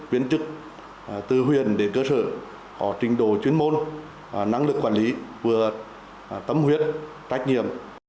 viên chức từ huyện đến cơ sở có trình độ chuyên môn năng lực quản lý vừa tâm huyết trách nhiệm